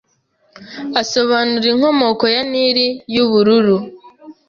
asobanura inkomoko ya Nil y'ubururu